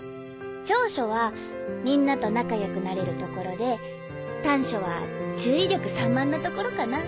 長所はみんなと仲良くなれるところで短所は注意力散漫なところかな。